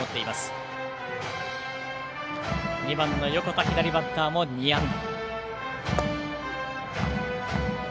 打席の２番の横田左バッターも２安打。